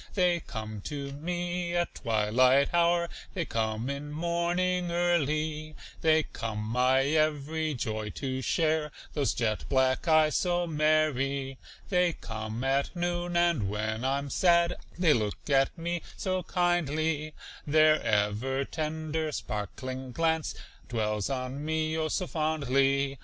They come to me at twilight hour, They come in morning early, They come my every joy to share, Those jet black eyes so merry. They come at noon, and when I'm sad They look at me so kindly, Their ever tender, sparkling glance Dwells on me, oh, so fondly.